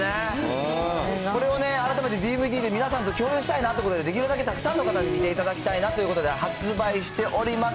これを改めてＤＶＤで皆さんと共有したいなということで、できるだけたくさんの方に見ていただきたいなということで、発売しております。